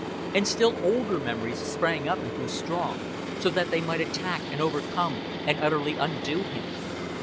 And still older memories sprang up and grew strong, so that they might attack and overcome and utterly undo him.